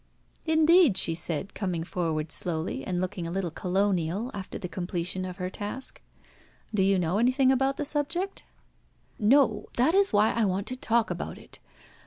"Indeed!" she said, coming forward slowly, and looking a little colonial after the completion of her task. "Do you know anything about the subject?" "No. That is why I want to talk about it.